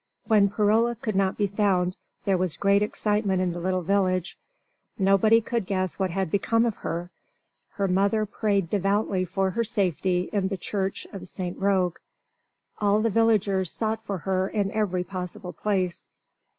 When Perola could not be found there was great excitement in the little village. Nobody could guess what had become of her. Her mother prayed devoutly for her safety in the church of St. Roque. All the villagers sought for her in every possible place.